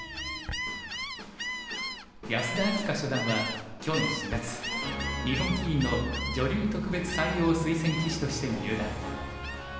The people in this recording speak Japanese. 安田明夏初段は去年４月日本棋院の女流特別採用推薦棋士として入段。